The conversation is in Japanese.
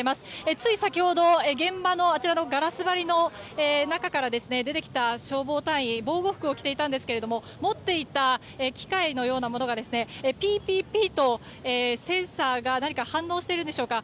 つい先ほど現場のガラス張りの中から出てきた消防隊員防護服を着ていたんですが持っていた機械のようなものがピーピーピーとセンサーが反応しているんでしょうか。